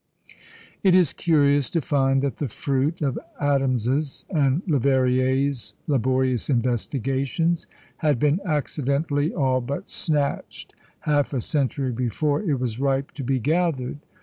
It is curious to find that the fruit of Adams's and Leverrier's laborious investigations had been accidentally all but snatched half a century before it was ripe to be gathered.